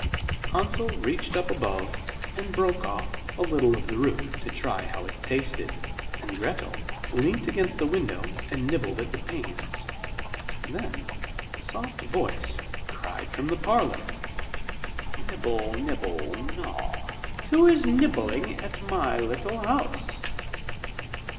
Hansel reached up above, and broke off a little of the roof to try how it tasted, and Gretel leant against the window and nibbled at the panes. Then a soft voice cried from the parlour: 'Nibble, nibble, gnaw, Who is nibbling at my little house?